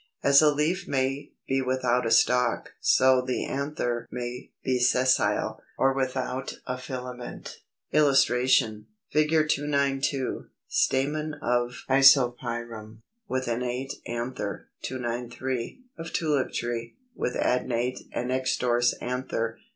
As a leaf may be without a stalk, so the anther may be Sessile, or without a filament. [Illustration: Fig. 292. Stamen of Isopyrum, with innate anther. 293. Of Tulip tree, with adnate (and extrorse) anther.